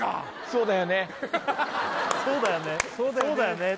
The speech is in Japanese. そうだよね